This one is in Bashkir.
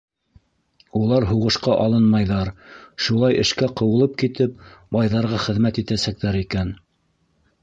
Улар һуғышҡа алынмайҙар, шулай эшкә ҡыуылып китеп, байҙарға хеҙмәт итәсәктәр икән.